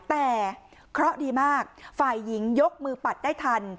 แต่เคราะห์ดีมากฝ่ายหญิงยกมือปัดได้ทัน